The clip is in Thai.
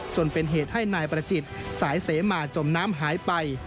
จนเป็นเหตุให้นายประจิตสายเสมาจมน้ำหายไป